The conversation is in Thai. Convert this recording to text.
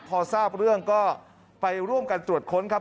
พอทราบเรื่องก็ไปร่วมกันตรวจค้นครับ